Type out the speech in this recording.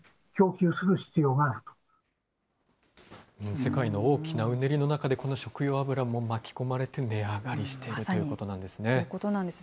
世界の大きなうねりの中で、この食用油も巻き込まれて値上がりしているということなんですね。